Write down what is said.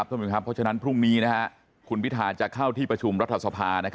เพราะฉะนั้นพรุ่งนี้คุณพิธาจะเข้าที่ประชุมรัฐสภา